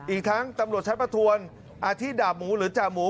อีกทั้งตำรวจชั้นประทวนอาทิตดาบหมูหรือจ่าหมู